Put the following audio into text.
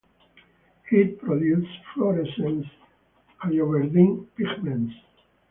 It produces fluorescent pyoverdine pigments.